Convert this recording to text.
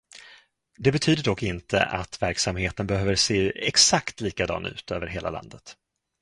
Det betyder dock inte att verksamheten behöver se exakt likadan ut över hela landet.